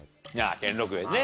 兼六園ね。